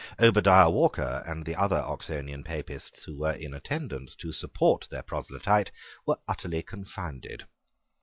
Obadiah Walker and the other Oxonian Papists who were in attendance to support their proselyte were utterly confounded.